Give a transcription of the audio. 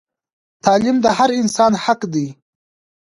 تعلیم د هر انسان حق دی